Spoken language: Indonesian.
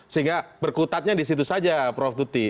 sehingga berkutatnya disitu saja prof tuti